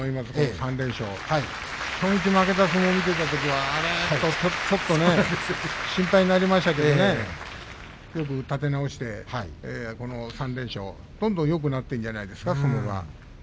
３連勝、初日負けた相撲を見ていたときは、あれちょっとねと心配になりましたけれどもよく立て直して、この３連勝どんどん、よくなっているんじゃないですか、相撲が。